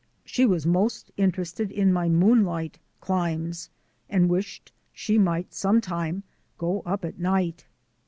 She was most interested in mv moonlight climbs and wished she might some time go up at night.